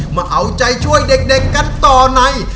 มาเอาใจช่วยเด็กกันต่อใน